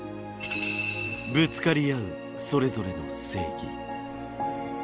ぶつかり合うそれぞれの正義。